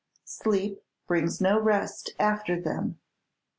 Sleep brings no rest after them.